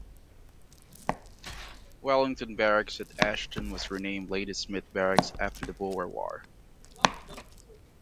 Wellington Barracks at Ashton was renamed Ladysmith Barracks after the Boer War.